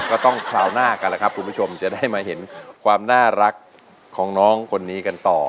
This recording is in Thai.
ก็ต้องคราวหน้ากันแหละครับคุณผู้ชมจะได้มาเห็นความน่ารักของน้องคนนี้กันต่อ